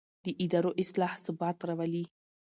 د ادارو اصلاح ثبات راولي